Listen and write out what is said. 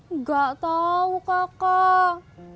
enggak tahu kakak